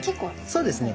そうですね。